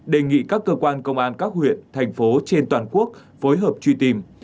đề nghị các cơ quan công an các huyện thành phố trên toàn quốc phối hợp truy tìm